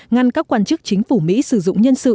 ngăn các quan chức chính phủ mỹ sử dụng nhân sự